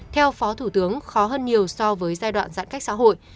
theo phó thủ tướng khó hơn nhiều so với giai đoạn giãn cách xã hội